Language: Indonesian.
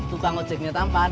tukang ojeknya tampan